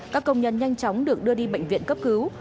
các công nhân nhanh chóng được đưa đi bệnh viện cấp cứu